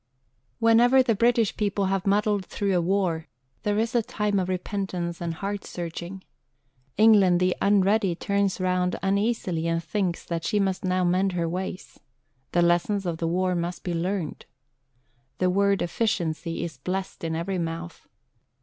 Whenever the British people have muddled through a war, there is a time of repentance and heart searching. England the Unready turns round uneasily and thinks that she must now mend her ways. The lessons of the war must be learnt. The word "efficiency" is blessed in every mouth.